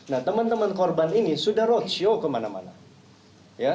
nah teman teman korban ini sudah roadshow kemarin